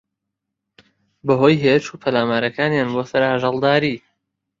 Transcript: بەھۆی ھێرش و پەلامارەکانیان بۆسەر ئاژەڵداری